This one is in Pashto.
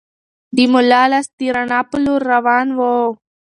د ملا لاس د رڼا په لور روان و.